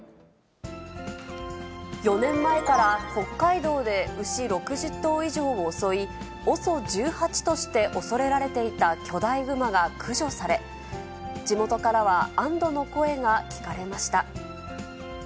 ４年前から北海道で牛６０頭以上を襲い、ＯＳＯ１８として恐れられていた巨大グマが駆除され、地元からは安どの声が聞かれました。